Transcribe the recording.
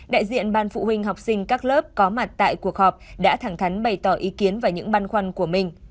đại diện ban phụ huynh học sinh các lớp có mặt tại cuộc họp đã thẳng thắn bày tỏ ý kiến và những băn khoăn của mình